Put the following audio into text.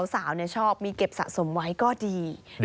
สาวเนี่ยชอบมีเก็บสะสมไว้ก็ดี